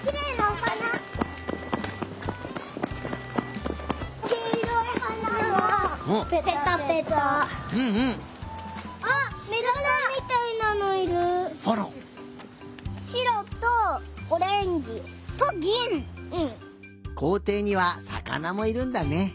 こうていにはさかなもいるんだね。